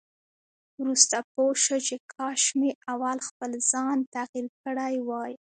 وروسته پوه شو چې کاش مې اول خپل ځان تغيير کړی وای.